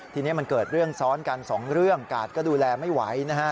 ทีนี้มันเกิดเรื่องซ้อนกันสองเรื่องกาดก็ดูแลไม่ไหวนะฮะ